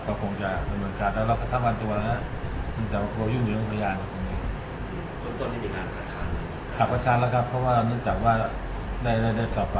ก็คงจะเป็นเหมือนกันแต่เราก็ทำวันตัวนะครับ